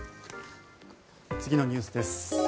次のニュースです。